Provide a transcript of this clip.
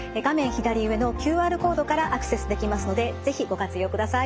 左上のＱＲコードからアクセスできますので是非ご活用ください。